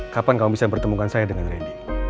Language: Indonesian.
kapan kamu bisa pertemukan saya dengan ren